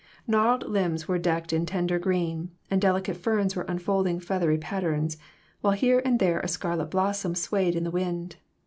Gnarled limbs were decked in tender green, and delicate ferns were unfolding feathery patterns, while here and there a scarlet blossom swayed in the wind.